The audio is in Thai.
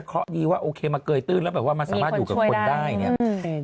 เพราะดีว่าโอเคมาเกยตื้นแล้วแบบว่ามันสามารถอยู่กับคนได้เนี่ย